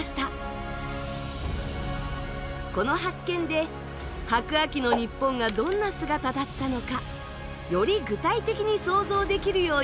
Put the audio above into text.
この発見で白亜紀の日本がどんな姿だったのかより具体的に想像できるようになりました。